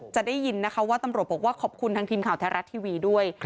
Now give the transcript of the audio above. จะได้ยินนะคะว่าตำรวจบอกว่าขอบคุณทางทีมข่าวไทยรัฐทีวีด้วย